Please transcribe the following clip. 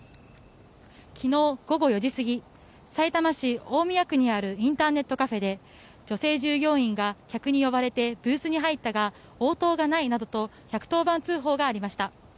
昨日午後４時過ぎさいたま市大宮区にあるインターネットカフェで女性従業員が客に呼ばれてブースに入ったが応答がないなどと１１０番通報がありました。